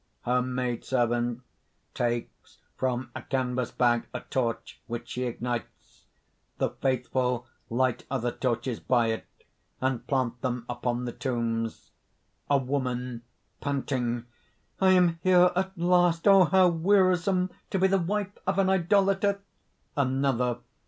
(_Her maid servant takes from a canvas bag, a torch which she ignites. The faithful light other torches by it, and plant them upon the tombs._) A WOMAN (panting). "I am here at last! Oh how wearisome to be the wife of an idolator!" ANOTHER.